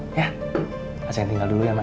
aceh yang tinggal dulu ya mak